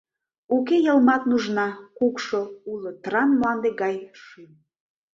Уке йылмат нужна, кукшо, Уло тран мланде гай шӱм.